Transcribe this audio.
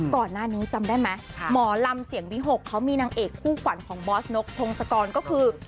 ก่อนหน้านี้จำได้ไหมหมอลำเสียงวิหกเขามีนางเอกคู่ขวัญของบอสนกพงศกรก็คือ